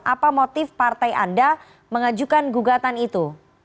apa motif partai anda mengajukan gugatan itu